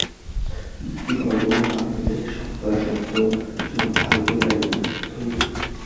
বিধবাবিবাহ-আন্দোলনে শতকরা সত্তর জন ভারতীয় নারীর কোন স্বার্থই নাই।